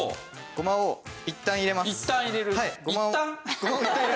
ゴマをいったん入れます。